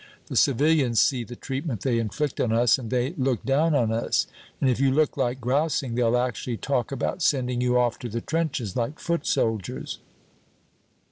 The civilians see the treatment they inflict on us, and they look down on us. And if you look like grousing, they'll actually talk about sending you off to the trenches, like foot soldiers!